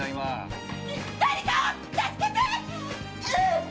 誰か助けて！